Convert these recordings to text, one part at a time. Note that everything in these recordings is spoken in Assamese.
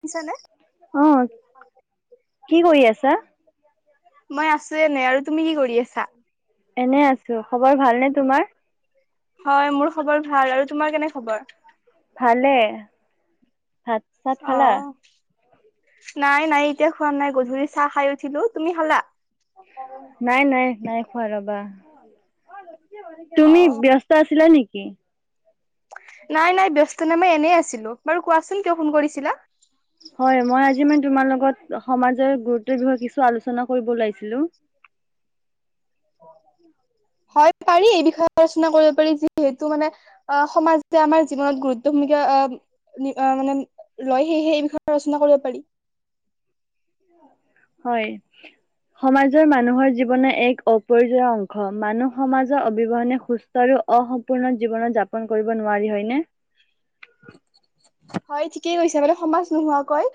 শুনিছানে? অ', কি কৰি আছা? মই আছোঁ এনে আৰু তুমি কি কৰি আছা? এনে আছো খবৰ ভালনে, তোমাৰ? হয়, মোৰ খবৰ ভাল আৰু তোমাৰ কেনে খবৰ? ভালে, ভাত চাত অ খালা? নাই, নাই এতিয়া খোৱা নাই গধূলি চাহ খাই উঠিলো। তুমি খালা? নাই, নাই, নাই। হয় ৰ'বা। অ তুমি ব্যস্ত আছিলা নি কি? নাই, নাই ব্যস্ত নাই মই এনেই আছিলো বাৰু কোৱাচোন, কিয় ফোন কৰিছিলা? হয়, মই আজি মানে তোমাৰ লগত সমাজৰ গুৰুত্বৰ বিষয়ে কিছু আলোচনা কৰিব ওলাইছিলো। হয় পাৰি। এই বিষয়ে আলোচনা কৰিব পাৰি। যিহেতু মানে সমাজে আমাৰ জীৱনত গুৰুত্ব ভূমিকা মানে লয়। সেয়েহে এই বিষয়ে আলচনা কৰিব পাৰি। হয়, সমাজৰ মানুহৰ জীৱনৰ এক অপৰিজয় অংশ মানুহ সমাজৰ অবিৱহনে সুস্থ আৰু অসম্পূৰ্ণ জীৱনত যাপন কৰিব নোৱাৰি, হয়নে? হয়, ঠিকেই কৈছে বানে সমাজ নোহোৱাকৈ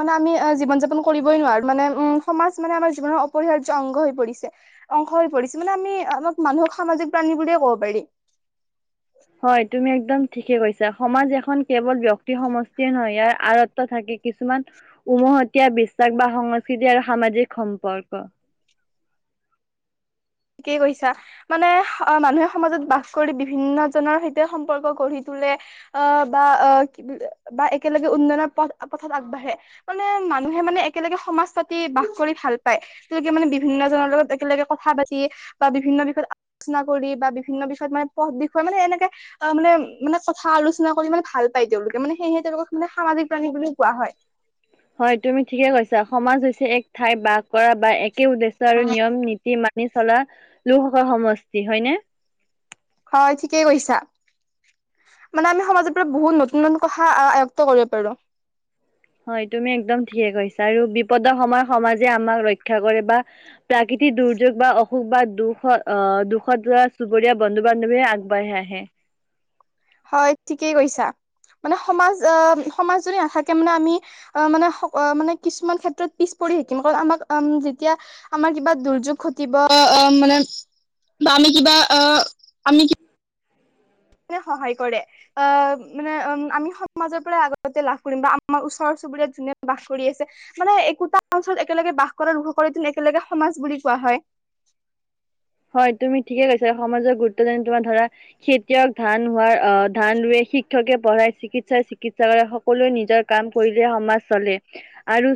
মানে আমি জীৱন যাপন কৰিবই নোৱাৰো। মানে উ'ম সমাজ মানে আমাৰ জীৱনৰ অপৰিহাৰ্য অংগ হৈ পৰিছে, অংশ হৈ পৰিছে মানে আমি আমাক মানুহক সামাজিক প্ৰাণী বুলিয়ে কব পাৰিম। হয় তুমি একদম ঠিকে কৈছা সমাজ এখন কেৱল ব্য্ক্তি সমষ্টিয়ে নহয় ইয়াৰ আঁৰত্ব থাকে কিছুমান উমহতীয়া বিশ্বাস বা সংস্কৃতি আৰু সামাজিক সম্পৰ্ক। কি কৈছা মানে মানুহে সমাজত বাস কৰি বিভিন্নজনৰ সৈতে সম্পৰ্ক গঢ়ি তোলে আহ বা আহ বা একেলগে উন্নয়নৰ পথ পথত আগবাঢ়ে মানে মানুহে মানে একেলগে সমাজ পাতি বাস কৰি ভাল পায় তেওঁলোকে মানে বিভিন্ন জনৰ লগত একেলগে কথা পাতি তী বা বিভিন্ন বিষয়ত আলোচনা কৰি বা বিভিন্ন বিষয়ত মানে পথ বিষয়ে মানে এনেকে মানে মানে কথা আলোচনা কৰি মানে ভাল পায় তেওঁলোকে মানে সেয়েহে তেওঁলোকক মানে সামাজিক প্ৰাণী বুলিও কোৱা হয়। হয় তুমি ঠিকে কৈছা সমাজ হৈছে এক ঠাই বাস কৰা বা এক কি উদ্দেশ্য আৰু নিয়ম নীতি মা নি চলা লোকসভা সমষ্টি, হয়নে? হয় ঠিকেই কৈছা মানে আমি সমাজৰ পৰা বহুত নতুন নতুন কথা আয়ত্ত কৰিব পাৰো। হয় তুমি একদম ঠিকে কৈছা আৰু বিপদৰ সময়ত সমাজে আমাক ৰক্ষা কৰে বা প্ৰাকৃতিক দুৰ্যোগ বা অসুখ বা দুখ দুখত যোৱা চুবুৰীয়া বন্ধু বান্ধৱীয়ে আগবাঢ়ি আহে। হয় ঠিকেই কৈছা মানে সমাজ আহ সমাজ যদি নাথাকে মানে আমি মানে মানে কিছুমান ক্ষেত্ৰত পিছ পৰি শিকিম কাৰণ আমাক যেতিয়া আমাৰ কিবা দুৰ্যোগ ঘটিব আহ মানে বা আমি কিবা আহ আমি সহায় কৰে আহ মানে উ আমি সমাজৰ পৰা আগতে লাভ কৰিম বা আমাৰ ওচৰ চুবুৰীয়াত যোনে বাস কৰি আছে মানে একোটা অঞ্চলত একেলগে বাস কৰা [unintelligible] কৰে তে একেলগে সমাজ বুলি কোৱা হয়। হয় তুমি ঠিকে কৈছা সমাজৰ গুৰুত্ব দান তোমাৰ ধৰা খেতিয়ক ধান হোৱাৰ আহ ধান ৱে শিক্ষকে পঢ়াই চিকিৎসাই চিকিৎসা কৰে সকলোৱে নিজৰ কাম কৰিলে সমাজ চলে আৰু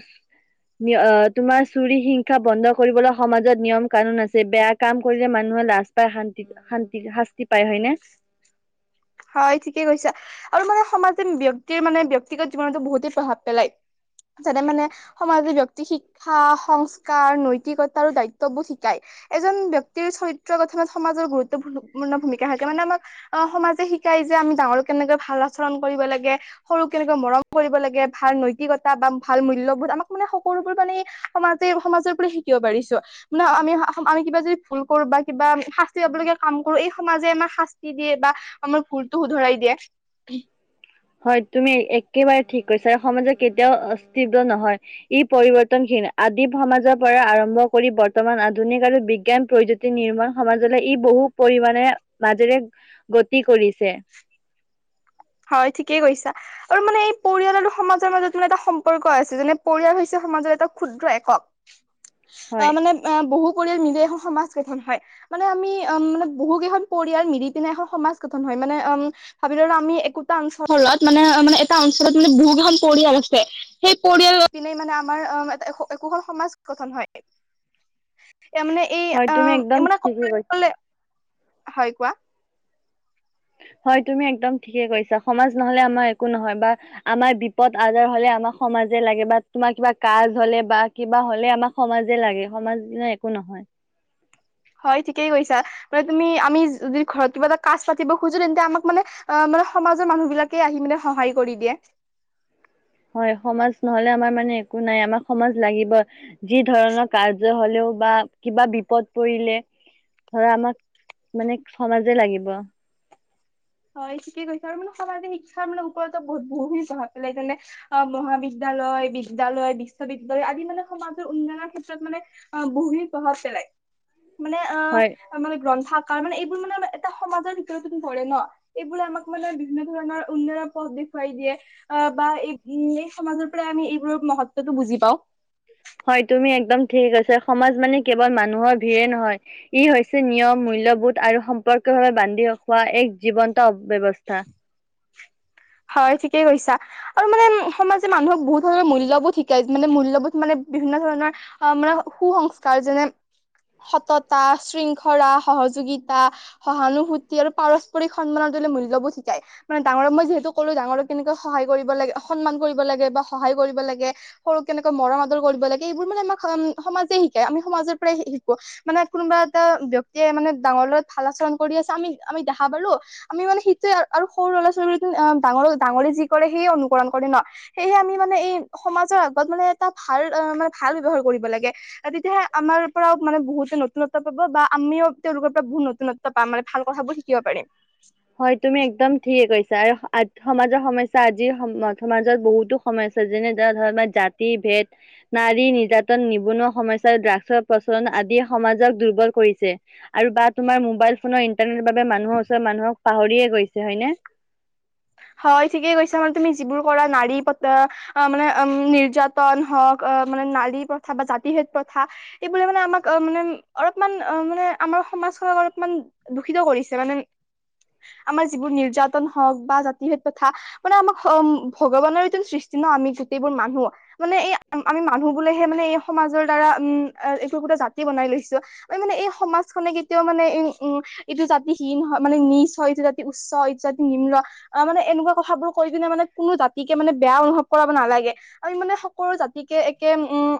তোমাৰ চুৰি হিংসা বন্ধ কৰিবলৈ সমাজত নিয়ম কানুন আছে বেয়া কাম কৰিলে মানুহে লাজ পায় শান্তিত শান্তি শাস্তি পায়, হয়নে? হয় ঠিকেই কৈছা আৰু মানে সমাজে ব্য়ক্তিৰ মানে ব্য়ক্তিগত জীৱনতো বহুতেই প্ৰভাৱ পেলায় যেনে মানে সমাজে ব্য়ক্তি শিক্ষা সংস্কাৰ নৈতিকতা আৰু দায়িত্ববোৰ শিকাই এজন ব্ক্তিৰ চৰিত্ৰৰ কথা মানে সমাজৰ গুৰুত্ব গুৰুপূৰ্ণ ভূমিকা থাকে মানে আমাক আহ সমাজে শি শিকাই যে আমি ডাঙৰ কেনেকৈ ভাল আচৰণ কৰিব লাগ, সৰুক কেনেকৈ মৰম কৰিব লাগে ভাল নৈতিকতা বা ভাল মূল্যবোধ আমাক মানে সকলোবোৰ মানে সমাজে সমাজৰ পৰা শিকিব পাৰিছো মানে আমি আমি কিবা যদি ভুল কৰো বা কিবা শাস্তি লব লগগীয়া কাম কৰো এই সমাজে আমাক শাস্তি দিয়ে আমাৰ ভুলটো উধৰাই দিয়া। হয় তুমি একেবাৰে ঠিক কৈছে সমাজে কেতিয়াও অষ্টিবিয় নহয় ই পৰিৱৰ্তনশীন আদি সমাজৰ পৰা আৰম্ভ কৰি বৰ্তমান আধুনিক আৰু বিজ্ঞান প্ৰযুক্তি নিাণ সমাজলৈ ই বহু পৰিমমানে মাজেৰে গতি কৰি ছে হয় ঠিকেই কৈছা আৰু মানে এই পৰিয়াল আৰু সমাজৰ মাজত ম এটা সম্পৰ্ক আছে যেনে পৰিয়াল হৈছে সমাজৰ এটা ক্ষুদ্ৰ একক। হয় অ', মানে বহু পৰিয়াল মৃ এখন সমাজ গঠন হয় মানে আমি উম মানে বহু কেইখন পৰিয়াল মিলি পিনে এখন সমাজ গঠন হয় মানে উম ভাবি ল আমি একোটা অঞ্চলৰত মানে মানে এটা অঞ্চলত মানে বহুক এখন পৰিয়াল আছে সেই পৰিয়াল পিনে মানে আমাৰ একোখন সমাজ গঠন হয়। এ মানে এই হয় তুমি একদম ঠিকে কৈছা আ [unintelligible] হয় কোৱা? হয় তুমি একদম ঠিকে কৈছা সমাজ নহলে আমাৰ একো নহয় বা আমাৰ বিপদ আজাৰ হলে আমাক সমাজে লাগে বা তোমাৰ কিবা কাজ হলে বা কিবা হলে আমাক সমাজে লাগে সমাজ একো নহয়। হয় ঠিকেই কৈছা মানে তুমি আমি যদি ঘৰত কিবা এটা কাজ পাতিব খোজো তেন্তে আমাক মানে মানে সমাজৰ মানুহ বিলাকে আহি মানে সহায় কৰি দিয়ে। হয় সমাজ নহলে আমাৰ মানে একো নাই আমাক সমাজ লাগিব যি ধৰণৰ কাৰ্য হলেও বা কিবা বিপদ পৰিলে ধৰা আমাক মানে সমাজে লাগিব। হয় ঠিকে কৈছ আৰু মানে সমাজিক শিক্ষাৰ মানে ওপৰতো বহুত বহুখিনি প্ৰভাৱ পেলাই যেনে অ', মহাবিদ্য়ালয়, বিদ্য়ালয, ় বিশ্ববিদ্যয়ালয় আদি মানে সমাজৰ উন্নয়নৰ ক্ষেত্ৰত মানে বহুখিনি প্ৰভাৱ পেলায়। মানে অ', হয় মানে গ্ৰন্থাকাৰ মানে এই মানে এটা সমাজৰ ভিতৰত ধৰে ন। এইবোৰে আমাক মানে বিভিন্ন ধৰণৰ উন্নয়নৰ পথ দেখুৱাই দিয়ে আহ বা এই এই সমাজৰ পৰা আমি এইবোৰৰ মহত্বটো বুজি পাও। হয় তুমি একদম ঠিক আছ সমাজ মানে কেৱল মানুহৰ ভিৰে নহয় ই হৈছে নিয়ম, মূল্যবোধ আৰু সম্পৰ্কীয় ভাৱে বান্ধিখোৱা এক জীৱন্ত ব্যয়ৱস্থা। থা। হয় ঠিকেই কৈছা আৰু মানে সমাজে মানুহক বহুত ধৰণৰ মূল্যবোধ শিকায় মানে মূল্যবোধ মানে বিভিন্ন ধৰণৰ অ', মানে সুসংস্কাৰ যেনে সততা, শৃংখলা, সহযোগিতা, সহানুভূতি আৰু পাৰস্পৰিক সন্মানৰ দ মূল্যবোৰ শিকাই মানে ডাঙৰক মই যিহেতু সকলো ডাঙৰক কেনেকৈ সহায় কৰিব লাগে সন্মান কৰিব লাগে বা সহায় কৰিব লাগে সৰুক কেনেকৈ মৰম আদৰ কৰিব লাগে এইবোৰ মানে আমাক সমাজে শিকায় আমি সমাজৰ পৰাই শিকো মানে কোনোবা এটা ব্যক্তিয়ে মানে ডাঙৰৰ লগত ভাল আচৰণ কৰি আছে আমি আমি দেখা পালোঁ আমি মানে সেইটোৱে আৰু সৰু ল'ৰা ছোৱালী ডাঙৰ ডাঙৰে যি কৰে সেয়ে অনুকৰৰণ কৰে ন সেয়হে আমি মানে এই সমাজৰ আগত মানে এটা ভাল মানে ভাল ব্ৱহাৰ কৰিব লাগে তেতিয়াহে আমাৰ পৰাও মানে বহুতে নতুনত্ব পাব বা আমিও তেওঁলোকৰ পৰা বহুত নতুনত্ব পাম মানে ভাল কথাবোৰ শিকিব পাৰিম। হয় তুমি একদম ঠিকে কৈছা আৰু সমাজৰ সমস্যা আজিৰ সম সমাজত বহুতো সমস্যা যেনে ধ ধৰণৰ জাতি, ভেদ নাৰী নিৰ্যাতন, নিবনুৱা সমস্যা, ড্ৰাগছৰ প্ৰচলন, আদিয়ে সমাজক দুৰ্বল কৰিছে আৰু বা তোমাৰ মোবাইল ফোনৰ বাবে মানুহৰ ওচৰত মানুহক পাহৰিয়ে গই হয় ঠিকে কৈছা মানে তুমি যিবোৰ কৰা নাৰী মানে নিৰ্যাতন হওক আহ মানে নাৰী প্ৰথা বা জাতি ভেদ প্ৰথা এইবোৰে মানে আমাক মানে অলপমান অ', মানে আমাৰ সমাজখনক অলপমান দূষিত কৰিছে মানে আমাৰ যিবোৰ নিৰ্যাতন হওক বা জাতি ভেদ প্ৰথা মানে আমাক ভগৱানৰ এইটো সৃষ্টি ন আমি গোটেইবোৰ মানুহ মানে এই আমি মানুহ বোলেহে মানে এই সমাজৰ দ্বাৰা উম, এইটো সটা জাতি বনাই লৈছো আমি মানে এই সমাজখনে কেতিয়াও মানে এই উম, এইটো জাতিহীন হয় মানে নিজ হয় এইটো জাতি উচ্চ ইত্যাদি নিম্ন আহ মানে এনেকুৱা কথাবোৰ কৈ কিনে মানে কোনো জাতিকে মানে বেয়া অনুভৱ কৰাব নালাগে আমি মানে সকলো জাতিকে একে উম।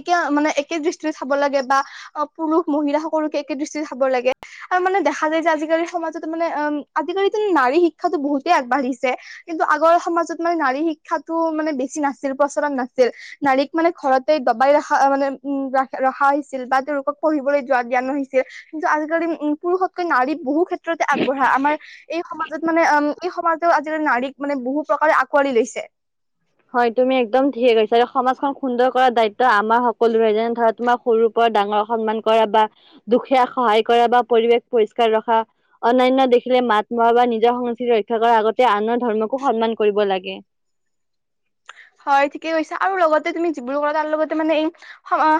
একে মানে একে দৃষ্টিৰে চাব লাগে। বা অহ', পুৰুষ মহিলা সকলোকে একে দৃষ্টিত চাব লাগে আৰু মানে দেখা যায় যে আজিকালি সমাজতো মানে উম, আজিকালিটো নাৰী শিক্ষাতো বহুতেই আগবাঢ়িছে কিন্তু আগৰ সমাজত মানে নাৰী শি ক্ষা মানে বেছি নাছিল। প্ৰচলন নাছিল। নাৰীক মানে ঘৰতে দবাই ৰখা মানে উম, ৰখা হৈছিল বা তেওঁলোকক পঢ়িবলৈ যোৱা দিয়া নহৈছিল। কিন্তু আজিকালি উম, পুৰুষতকৈ নাৰী বহু ক্ষেত্ৰতে আগবঢ়া আমাৰ এই সমাজত মানে উম এই সমাজৰ আজিকালি নাৰীক মানে বহু প্ৰকাৰে আকোৱালি লৈছে। হয়, তুমি একদম ঠিকেই কৈছা। সমাজখন সুন্দৰ কৰাৰ দায়িত্ব আমাৰ সকলোৰে যেনে ধৰা, তোমাৰ সৰুৰ পৰা ডাঙৰক সন্মান কৰা বা দুখীয়াক সহায় কৰা বা পৰিৱেশ পৰিষ্কাৰ ৰখা, অন্যান্য দেখিলে মাত মতা বা নিজৰ সংস্কৃতি ৰক্ষা কৰা আগতে আনৰ ধৰ্মকো সন্মান কৰিব লাগে। হয় ঠিকেই কৈছো, আৰু লগতে তুমি যিবোৰ ক তাৰ লগতে মানে এই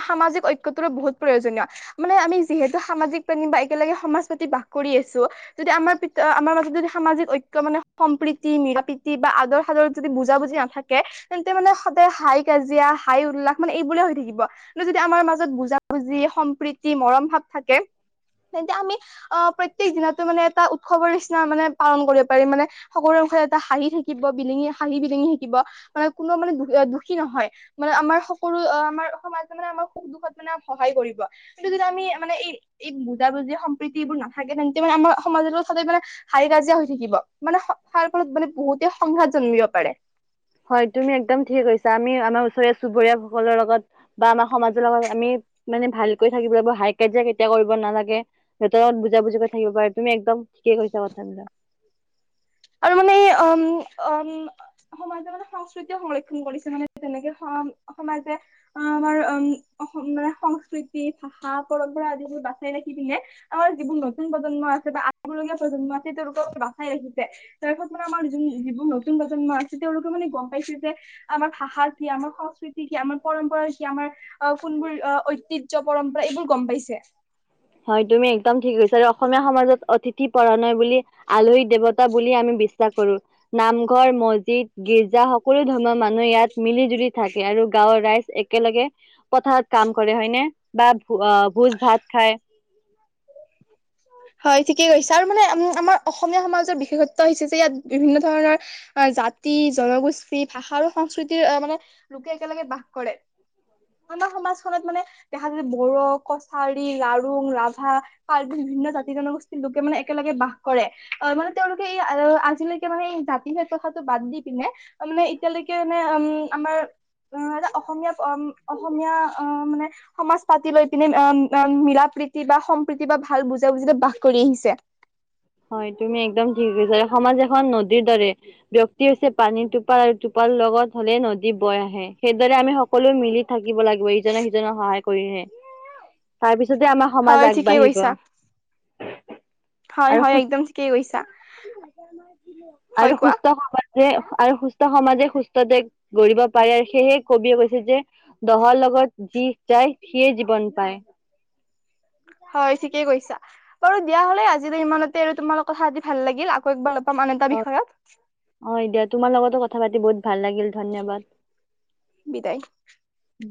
সামাজিক ঐক্যটোৰো বহুত প্ৰয়োজনীয়। মানে আমি যিহেতু সামাজিক প্ৰাণী বা একেলগে সমাজ পাতি বাস কৰি আছো, যদি আমাৰ - আমাৰ মাজত যদি সামাজিক ঐক্য মানে সম্প্ৰীতি, মিলা প্ৰীতি বা আদৰ সাদৰ যদি বুজা বুজি নাথাকে তেন্তে মানে সদায় হাই কাজিয়া, হাই উল্লাস মানে এইবোৰে হৈ থাকিব। কিন্তু যদি আমাৰ মাজত বুজা বুজি, সম্প্ৰীতি, মৰম ভাৱ থাকে তেন্তে আমি আহ, প্ৰত্যেক দিনতে মানে এটা উৎসৱৰ নিচিনা মানে পালন কৰিব পাৰিম মানে সকলো মুখে এটা হাঁহি থাকিব, বিলিঙি, হাঁহি বিলিঙি থাকিব। মানে কোনো মানে দু দুখী নহয়, মানে আমাৰ সকলো আমাৰ সমাজ মানে আমাৰ সুখ দুখত মানে সহায় কৰিব। কিন্তু যদি আমি মানে এই এই বুজাবুজি সম্প্ৰীতি এইবোৰ নাথাকে তেন্তে মানে আমাৰ সমাজতো খালি মানে হাই কাজিয়া হৈ থাকিব, মানে তাৰ ফলত মানে বহুতে সংঘাত জন্মিব পাৰে। হয় তুমি একদম ঠিকে কৈছা। আমি আমাৰ ওচৰীয়া চুবুৰীয়া সকলৰ লগত বা আমাৰ সমাজৰ লগত আমি মানে ভালকৈ থাকিব লাগিব, হাই কাজিয়া কেতিয়াও কৰিব নালাগে। সিহঁতৰ লগত বুজা বুজি কৰি থাকিব পাৰে, তুমি একদম ঠিকেই কৈছা কথাবিলাক। [inaudible] আৰু মানে এই অম - অম সমাজে মানে সংস্কৃতিও সংৰক্ষণ কৰিছে মানে, যেনেকে সমাজে আমাৰ উম, মানে সংস্কৃতি, ভাষা, পৰম্পৰা আদিবোৰ বাচাই ৰাখি পিনে আমাৰ যিবোৰ নতুন প্ৰজন্ম আছে বা আহিবলগীয়া প্ৰজন্ম আছে তেওঁলোকলৈ বাচাই ৰাখি তাৰ পিছত মানে আমাৰ য যিবোৰ নতুন প্ৰজন্ম আছে তেওঁলোকে মানে গম পাইছে যে আমাৰ ভাষা কি, আমাৰ সংস্কৃতি কি, আমাৰ পৰম্পৰা কি, আমাৰ অহ ', কোনবোৰ ঐতিহ্য পৰম্পৰা এইবোৰ গম পাইছে। হয়, তুমি একদম ঠিকেই কৈছা। অসমীয়া সমাজত অতিথি পৰা নে বুলি আলহী দেৱত বুলি আমি বিশ্বাস কৰো। নামঘৰ, মছজিদ, গিৰ্জা সকলো ধৰ্মৰ মানুহ ইয়াত মিলি জুলি থাকে আৰু গাৱৰ ৰাইজ একেলগে পথাৰত কাম কৰে, হয়নে? বা ভ ভোজ ভাত খাই। ঠিকেই কৈছা, আৰু মানে উম, আমাৰ অসমীয়া সমাজৰ বিশেষত্ব হৈছে যে ইয়াত বিভিন্ন ধৰণৰ জাতি, জনগোষ্ঠী, ভাষা আৰু সংস্কৃতিৰ মানে লোকে একেলগে বাস কৰে। আমাৰ সমাজখনত মানে দেখা যে বড়ো, কছাৰী, লাৰুং, ৰাভা, কাৰ্বি বিভিন্ন জা জনগোষ্ঠীৰ লোকে মানে একেলগে বাস কৰে। অহ', মানে তেওঁলোকে এই আজিলৈ মানে জাতিভেদ কথাটো বাদ দি পিনে মানে এতিয়ালৈকে মানে, উম, আমাৰ অহ ', এটা অসমীয়া অসমীয়া অহ ', মানে সমাজ পাতি লৈ পিনে অহ ', মিলা প্ৰীতি বা সম্প্ৰীতি বা ভাল বুজি তেওঁ যেতিয়া বাস কৰি আহিছে। হয়, তুমি একদম ঠিকেই কৈছা। সমাজ এখন নদীৰ দৰে, ব্যক্তি হৈছে পানীৰ টোপাল আৰু টোপাল লগত হলে নদী বৈ আহে, সেইদৰে আমি সকলো মিলি থাকিব লাগিব ইজনে সিজনক সহায় কৰিহে। তাৰপিছ যেতিয়া আমাৰ সমাজ হয় ঠিকেই আগবাঢ়িব। কৈছা হয় আৰু হয়, সু একদম ঠিকেই কৈছা। হয় কোৱা। সেয়ে, আৰু সুস্থ সমাজে সুস্থ দেশ গঢ়িব পাৰে, সেয়েহে কবিয়ে কৈছে যে, দহৰ লগত যি যায় সিয়েই জীৱন পায়। হয়, ঠিকেই কৈছা। বাৰু দিয়া হলে, আজি যে ইমানতে আৰু তোমাল লগত কথা পাতি ভাল লাগিল। আকৌ একবাৰ লগ পাম আন এটা অহ', বিষয়ত - অহ', দিয়া তোমাৰ লগতো ক কথা পাতি বহুত ভাল লাগিল, ধন্যবাদ। বিদায় উম।